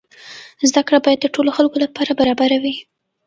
زده کړه باید د ټولو خلکو لپاره برابره وي.